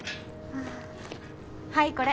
はいこれ。